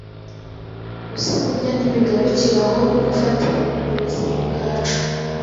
gusa burya ntibigarukira aho kuko ufatiye runini ubuzima bwacu